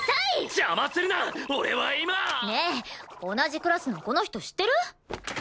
ねえ同じクラスのこの人知ってる？